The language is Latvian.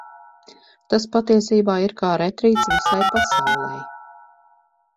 Tas patiesībā ir kā retrīts visai pasaulei.